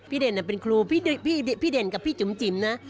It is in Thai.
เด่นเป็นครูพี่เด่นกับพี่จิ๋มจิ๋มนะ